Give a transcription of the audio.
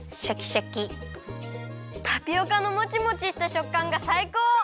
タピオカのモチモチしたしょっかんがさいこう！